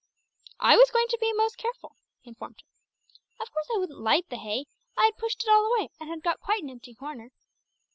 "I was going to be most careful," he informed her. "Of course I wouldn't light the hay. I pushed it all away, and had got quite an empty corner!"